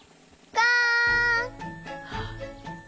がん！